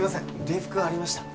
礼服ありました？